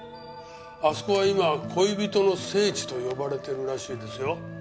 あそこは今恋人の聖地と呼ばれてるらしいですよ。